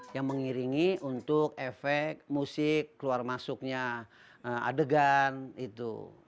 yang mengiringi untuk efek musik keluar masuknya adegan itu